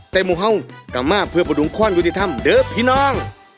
เคยรู้ไหมยังจะได้ใจหรือเปล่า